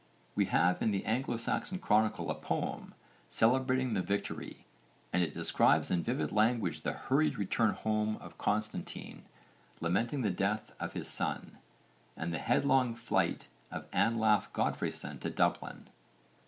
We have in the Anglo Saxon Chronicle a poem celebrating the victory, and it describes in vivid language the hurried return home of Constantine, lamenting the death of his son, and the headlong flight of Anlaf Godfreyson to Dublin.